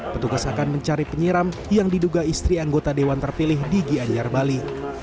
petugas akan mencari penyiram yang diduga istri anggota dewan terpilih di gianyar bali